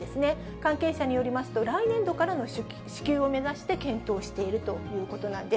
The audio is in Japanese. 関係者によりますと、来年度からの支給を目指して検討しているということなんです。